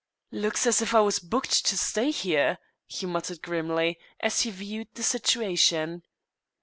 "Looks as if I was booked to stay here!" he muttered grimly, as he viewed the situation.